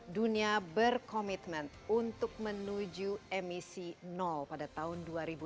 dunia berkomitmen untuk menuju emisi nol pada tahun dua ribu dua puluh